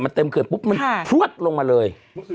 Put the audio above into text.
๕๔มันเต็มเขื่อนปุ๊บมันซว๊ดลงมาเลย